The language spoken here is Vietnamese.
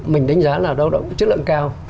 mình đánh giá là lao động chất lượng cao